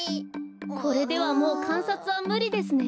これではもうかんさつはむりですね。